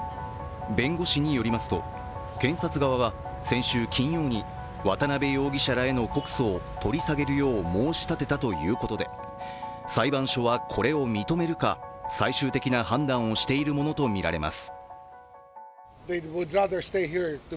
弁護士によりますと検察側は先週金曜に渡辺容疑者らへの告訴を取り下げるよう申し立てたということで裁判所はこれを認めるか、最終的な判断をしているものとみられます。